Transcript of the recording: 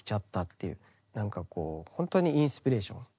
何かこうほんとにインスピレーション。